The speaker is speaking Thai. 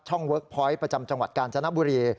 เวิร์คพอยต์ประจำจังหวัดกาญจนบุรี